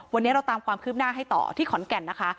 วันนี้เราตามความคืบหน้าให้ต่อที่ขอนแก่นนะคะ